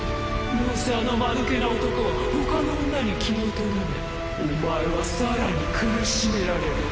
どうせあのまぬけな男はほかの女に気を取られお前は更に苦しめられる。